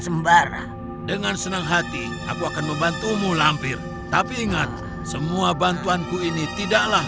sembara dengan senang hati aku akan membantumu lampir tapi ingat semua bantuanku ini tidaklah